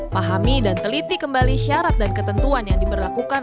pahami dan teliti kembali syarat dan ketentuan yang diberlakukan